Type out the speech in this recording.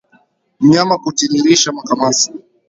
Mnyama kutiririsha makamasi